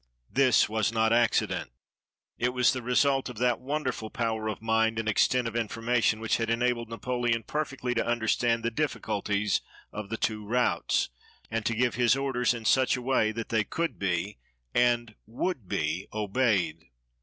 This was not accident. It was the result of that wonderful power of mind and extent of information which had enabled Napoleon perfectly to understand the difficulties of the two routes, and to give his orders in such a way that they could be and would be obeyed.